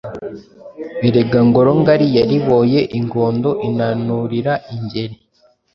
Erega ngoro ngari yariboye ingondo inanurira ingeri